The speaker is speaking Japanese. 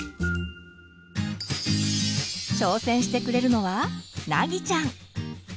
挑戦してくれるのは凪ちゃん。